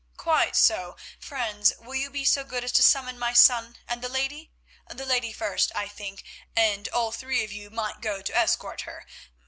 "Quite so. Friends, will you be so good as to summon my son and the lady? The lady first, I think—and all three of you might go to escort her.